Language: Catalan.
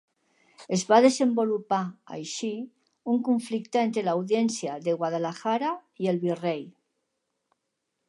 Es va desenvolupar, així, un conflicte entre l'Audiència de Guadalajara i el Virrei.